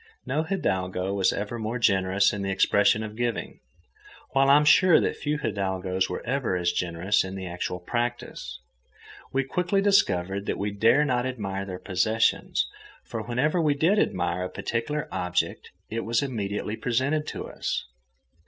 No hidalgo was ever more generous in the expression of giving, while I am sure that few hidalgos were ever as generous in the actual practice. We quickly discovered that we dare not admire their possessions, for whenever we did admire a particular object it was immediately presented to us.